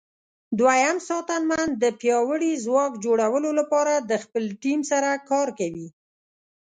دوهم ساتنمن د پیاوړي ځواک جوړولو لپاره د خپل ټیم سره کار کوي.